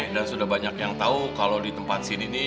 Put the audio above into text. dan sudah banyak yang tahu kalau di tempat sini nih